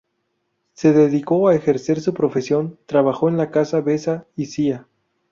Se dedicó a ejercer su profesión; trabajó en la Casa Besa y Cía.